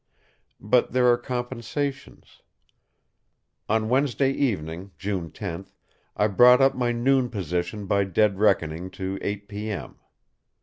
But there are compensations. On Wednesday evening, June 10, I brought up my noon position by dead reckoning to eight P.M.